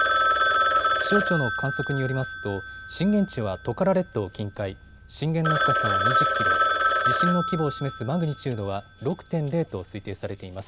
気象庁の観測によりますと震源地はトカラ列島近海、震源の深さは２０キロ、地震の規模を示すマグニチュードは６．０と推定されています。